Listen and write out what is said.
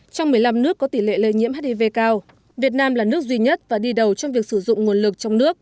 trong một mươi năm nước có tỷ lệ lây nhiễm hiv cao việt nam là nước duy nhất và đi đầu trong việc sử dụng nguồn lực trong nước